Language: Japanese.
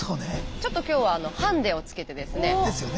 ちょっと今日はハンデをつけてですね。ですよね。